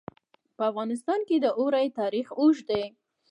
په افغانستان کې د اوړي تاریخ اوږد دی.